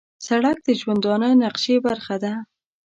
سړک د ژوندانه نقشې برخه ده.